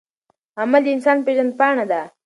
عمل د انسان پیژندپاڼه ده.